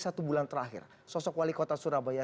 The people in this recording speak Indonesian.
satu bulan terakhir sosok wali kota surabaya